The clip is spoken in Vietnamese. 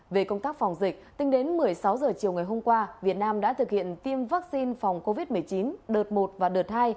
về công tác phòng dịch tính đến một mươi sáu h chiều ngày hôm qua việt nam đã thực hiện tiêm vaccine phòng covid một mươi chín đợt một và đợt hai